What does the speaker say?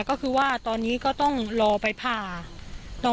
ก็กลายเป็นว่าติดต่อพี่น้องคู่นี้ไม่ได้เลยค่ะ